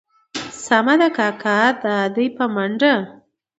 سمه ده کاکا دا دي په منډه.